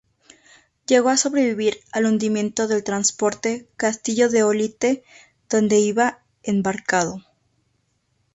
Llegó a sobrevivir al hundimiento del transporte "Castillo de Olite", donde iba embarcado.